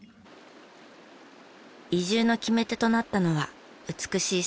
移住の決め手となったのは美しい里山の風景。